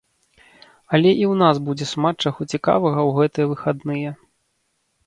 Але і ў нас будзе шмат чаго цікавага ў гэтыя выхадныя.